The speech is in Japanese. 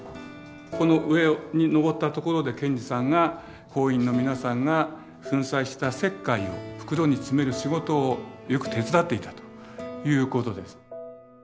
この上に上ったところで賢治さんが工員の皆さんが粉砕した石灰を袋に詰める仕事をよく手伝っていたということです。